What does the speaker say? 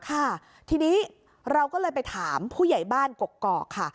ค่ะทีนี้เราก็เลยไปถามผู้ใหญ่บ้านกกอกค่ะ